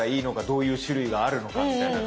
どういう種類があるのかみたいな。